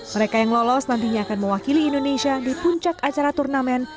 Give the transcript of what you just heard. mereka yang lolos nantinya akan mewakili indonesia di puncak acara turnamen